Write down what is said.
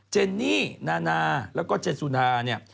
เจนนี่นานาแล้วก็เจนสุนาเนี่ย